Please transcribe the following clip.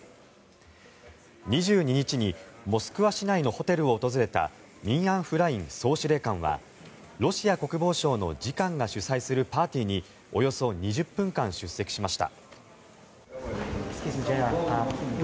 ２２日にモスクワ市内のホテルを訪れたミン・アウン・フライン総司令官はロシア国防省の次官が主催するパーティーにおよそ２０分間出席しました。